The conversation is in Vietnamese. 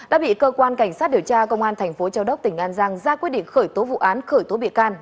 đã bị cơ quan cảnh sát điều tra công an thành phố châu đốc tỉnh an giang ra quyết định khởi tố vụ án khởi tố bị can